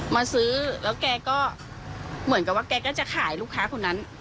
มาซื้อแล้วแกก็เหมือนกับว่าแกก็จะขายลูกค้าคนนั้น